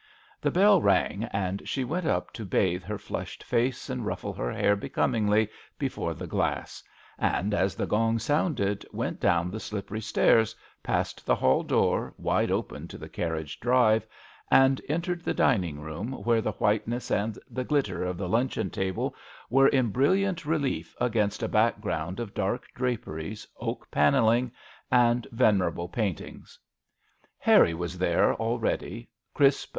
The bell rang, and she went up to bathe her flushed face and ruffle her hair becomingly before the glass; and, as the gong sounded, went down the slippery stairs, past the hall door, wide open to the carriage drive, and entered the dining room, where the whiteness and the glitter of the luncheon table were in bril liant relief against a background of dark draperies, oak panelling, and venerable paintings; Harry was there already, crisp MISS AWDREY AT HOME.